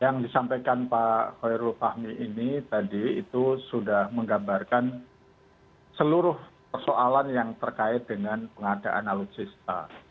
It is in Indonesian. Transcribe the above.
yang disampaikan pak hoirul fahmi ini tadi itu sudah menggambarkan seluruh persoalan yang terkait dengan pengadaan alutsista